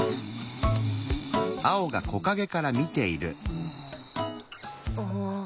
うん。あっ。